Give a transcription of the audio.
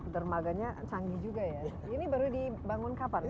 dermaganya canggih juga ya ini baru dibangun kapan